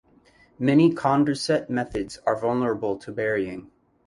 Many Condorcet methods are vulnerable to burying.